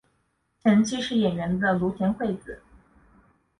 前妻是演员的户田惠子。